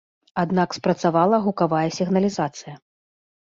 Аднак спрацавала гукавая сігналізацыя.